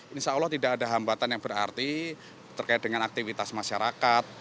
insya allah tidak ada hambatan yang berarti terkait dengan aktivitas masyarakat